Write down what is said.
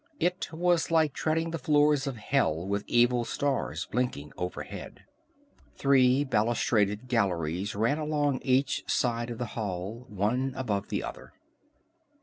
It was like treading the floors of hell with evil stars blinking overhead. Three balustraded galleries ran along on each side of the hall, one above the other.